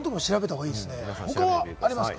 他はありますか？